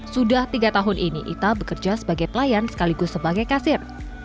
sudah tiga tahun ini ita bekerja sebagai pelayan sekaligus sebagai kasir